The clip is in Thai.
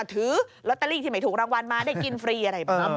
ถือลอตเตอรี่ที่ไม่ถูกรางวัลมาได้กินฟรีอะไรแบบนั้น